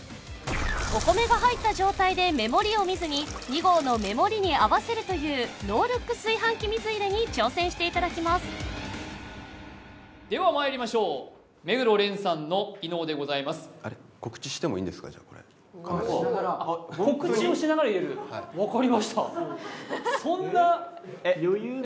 お米が入った状態で目盛りを見ずに２合の目盛りに合わせるというノールック炊飯器水入れに挑戦していただきますではまいりましょう目黒蓮さんの異能でございますあっしながら告知をしながら入れるはい分かりました